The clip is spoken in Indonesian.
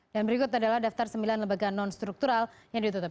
dan berikut adalah daftar sembilan lembaga non struktural yang ditutup